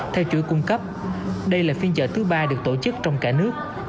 theo chuỗi cung cấp đây là phiên chợ thứ ba được tổ chức trong cả nước